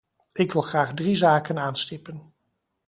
Ik wil graag drie zaken aanstippen.